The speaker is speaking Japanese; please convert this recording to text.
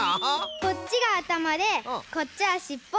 こっちがあたまでこっちはしっぽ。